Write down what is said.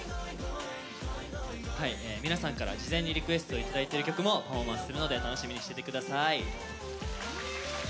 皆さんから事前にリクエストいただいてる曲もパフォーマンスするので楽しみにしててください。